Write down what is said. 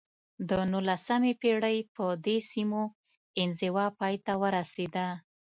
د نولسمې پېړۍ په دې سیمو انزوا پای ته ورسېده.